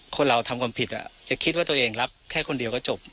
คนเราทำความผิดจะคิดว่าตัวเองรับแค่คนเดียวก็จบ